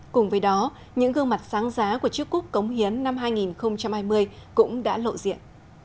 cùng với đó những gương mặt sáng giá của chiếc cúc cống hiến năm hai nghìn hai mươi cũng đã lộ diện